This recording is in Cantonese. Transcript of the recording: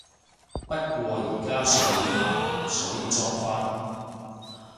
不過而家係想睇下，所以裝返